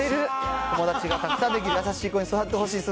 友達がたくさんできる優しい子に育ってほしいです。